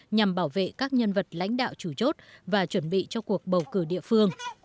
nhằm bảo vệ các nhân vật lãnh đạo chủ chốt và chuẩn bị cho cuộc bầu cử địa phương